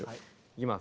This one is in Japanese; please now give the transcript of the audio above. いきます。